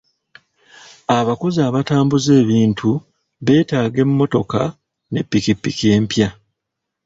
Abakozi abatambuza ebintu beetaaga emmotoka ne ppikippiki empya